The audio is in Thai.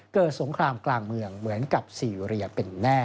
สงครามกลางเมืองเหมือนกับซีเรียเป็นแน่